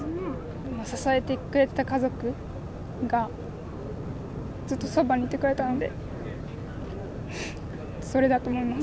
支えてくれた家族がずっとそばにいてくれたので、それだと思います。